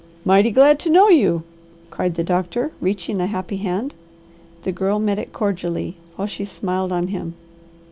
"Mighty glad to know you!" cried the doctor, reaching a happy hand. The Girl met it cordially, while she smiled on him.